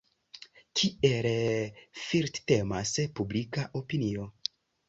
Kiel flirtemas publika opinio!